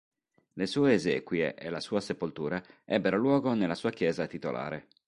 Le sue esequie e la sua sepoltura ebbero luogo nella sua chiesa titolare.